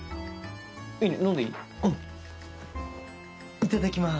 いただきます。